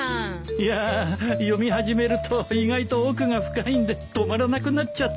いや読み始めると意外と奥が深いんで止まらなくなっちゃって。